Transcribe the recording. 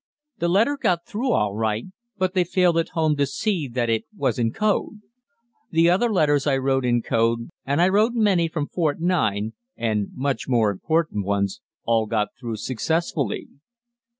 The letter got through all right, but they failed at home to see that it was in code. The other letters I wrote in code, and I wrote many from Fort 9 (and much more important ones), all got through successfully.